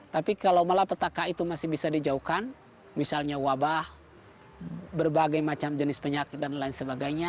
tapi kalau malapetaka itu masih bisa dijauhkan misalnya wabah berbagai macam jenis penyakit dan lain sebagainya